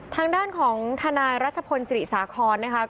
ทางด้านของทนายรัชพลศิริสาครนะคะ